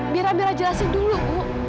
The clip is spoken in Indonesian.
biar amira jelasin dulu ibu